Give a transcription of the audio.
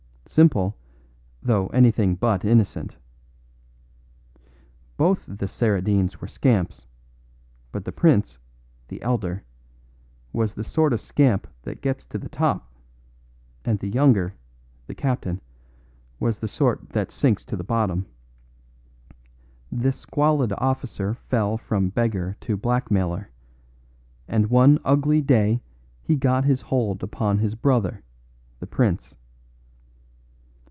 "Simple, though anything but innocent. Both the Saradines were scamps, but the prince, the elder, was the sort of scamp that gets to the top, and the younger, the captain, was the sort that sinks to the bottom. This squalid officer fell from beggar to blackmailer, and one ugly day he got his hold upon his brother, the prince.